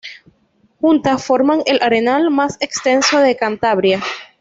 Juntas, forman el arenal más extenso de Cantabria.